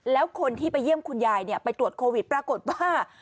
แล้วคนที่ไปเยี่ยมคุณยายไปตรวจโควิดปรากฏว่า